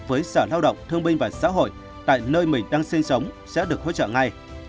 với sở lao động thương binh và xã hội tại nơi mình đang sinh sống sẽ được hỗ trợ ngay